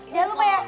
jangan lupa ya